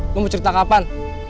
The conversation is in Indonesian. lu mau cerita kapan